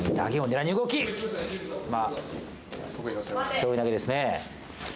背負い投げですね。